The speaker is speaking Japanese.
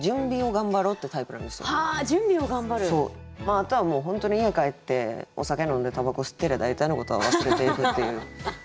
あとはもう本当に家帰ってお酒飲んでたばこ吸ってりゃ大体のことは忘れていくっていう感じかな。